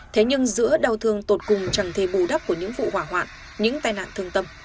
thế nhưng giữa đau thương tột cùng chẳng thể bù đắp của những vụ hỏa hoạn những tai nạn thương tâm